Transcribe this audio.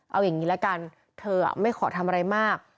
เอาอย่างนี้ละกันเธอไม่ขอทำอะไรมาก